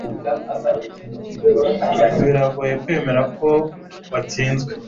Biragoye kwemera ko watsinzwe